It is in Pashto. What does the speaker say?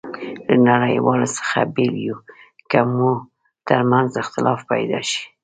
له نړیوالو څخه بېل یو، که مو ترمنځ اختلافات پيدا شي.